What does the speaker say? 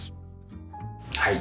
はい。